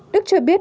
đức cho biết